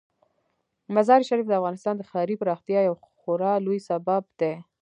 مزارشریف د افغانستان د ښاري پراختیا یو خورا لوی سبب دی.